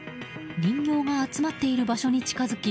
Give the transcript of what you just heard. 人形が集まっている場所に近づき